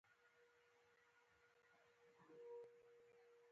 احمدشاه بابا د افغانانو د ویاړ سرچینه ده.